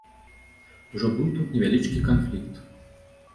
Ужо быў тут невялічкі канфлікт.